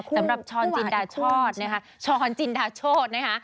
สำหรับช้อนจินดาโชธนะคะช้อนจินดาโชธนะคะ